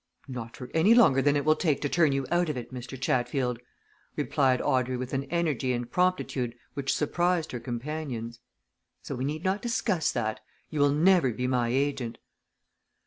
"Not for any longer than it will take to turn you out of it, Mr. Chatfield," replied Audrey with an energy and promptitude which surprised her companions. "So we need not discuss that. You will never be my agent!"